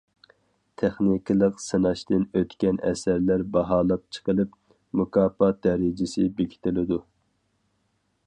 تېخنىكىلىق سىناشتىن ئۆتكەن ئەسەرلەر باھالاپ چىقىلىپ، مۇكاپات دەرىجىسى بېكىتىلىدۇ.